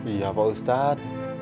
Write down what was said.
iya pak ustadz